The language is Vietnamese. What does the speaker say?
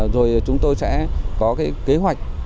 rồi chúng tôi sẽ có cái kế hoạch